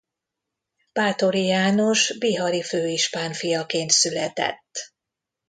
Báthori János bihari főispán fiaként született.